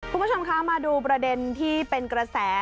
คุณผู้ชมคะมาดูประเด็นที่เป็นกระแส